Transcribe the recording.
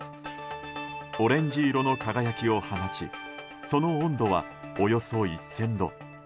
オレンジ色の輝きを放ちその温度は、およそ１０００度。